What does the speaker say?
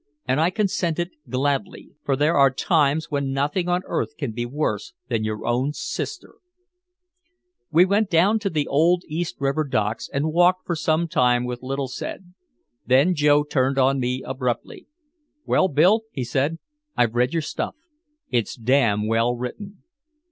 And I consented gladly, for there are times when nothing on earth can be worse than your own sister. We went down to the old East River docks and walked for some time with little said. Then Joe turned on me abruptly. "Well, Bill," he said, "I've read your stuff. It's damn well written."